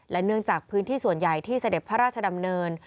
เนื่องจากพื้นที่ส่วนใหญ่ที่เสด็จพระราชดำเนิน